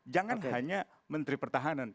jangan hanya menteri pertahanan